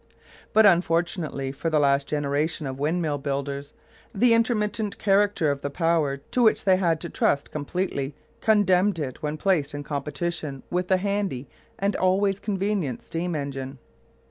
But, unfortunately for the last generation of windmill builders, the intermittent character of the power to which they had to trust completely condemned it when placed in competition with the handy and always convenient steam engine.